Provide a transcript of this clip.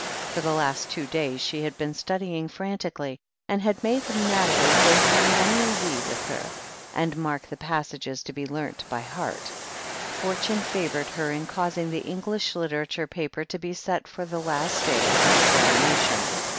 For the last two days she had been studying fran tically, and had made Nathalie go through Henry V. with her, and mark the passages to be learnt by heart. Fortune favoured her in causing the English Litera ture paper to be set for the last day of the examination.